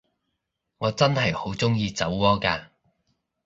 我真係好鍾意酒窩㗎